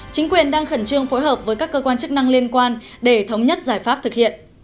chính quyền đang khẩn trương phối hợp với các cơ quan chức năng liên quan để thống nhất giải pháp thực hiện